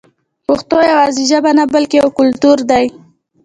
پښتو یوازې ژبه نه بلکې یو کلتور دی.